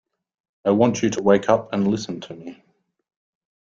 I want you to wake up and listen to me